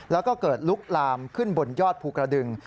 แล้วก็เกิดลุกลามขึ้นบนยอดภูกระดึง